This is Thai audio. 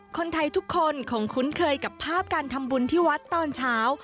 คนไทยทุกคนคงคุ้นเคยกับภาพการทำบุญที่วัดตอนเช้า